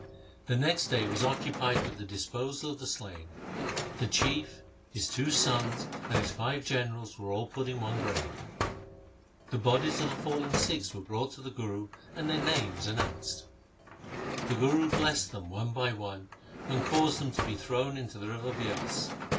The next day was occupied with the disposal of the slain. The Chief, his two sons, and his five generals were all put into one grave. The bodies of the fallen Sikhs were brought to the Guru and their names announced. The Guru blessed them one by one, and caused them to be thrown into the river Bias.